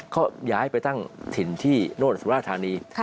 เขาย้ายไปตั้งถิ่นที่โน่นสุราธานี